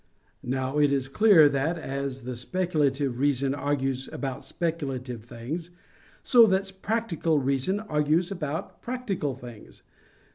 Now it is clear that, as the speculative reason argues about speculative things, so that practical reason argues about practical things.